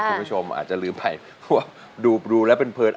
คุณผู้ชมอาจจะลืมไปดูแล้วเป็นเพลิน